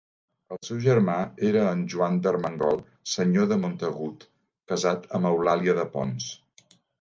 El seu germà era en Joan d'Armengol, senyor de Montagut, casat amb Eulàlia de Pons.